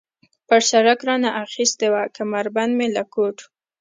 پر سړک را نه اخیستې وه، کمربند مې له کوټ.